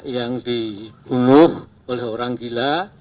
yang dibunuh oleh orang gila